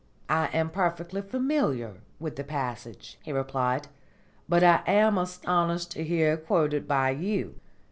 "I am perfectly familiar with the passage," he replied, "but I am astonished to hear it quoted by you.